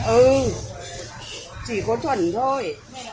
ừ chỉ có thuần thôi